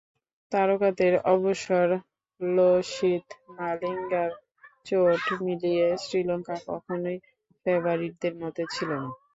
তারকাদের অবসর, লাসিথ মালিঙ্গার চোট মিলিয়ে শ্রীলঙ্কা কখনোই ফেবারিটদের মধ্যে ছিল না।